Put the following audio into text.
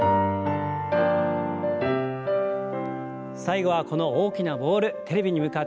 最後はこの大きなボールテレビに向かって投げてみましょう。